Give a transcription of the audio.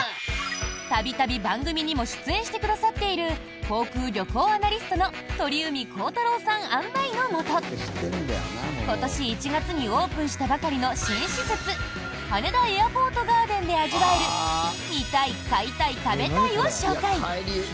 度々、番組にも出演してくださっている航空・旅行アナリストの鳥海高太朗さん案内のもと今年１月にオープンしたばかりの新施設羽田エアポートガーデンで味わえる見たい、買いたい、食べたいを紹介！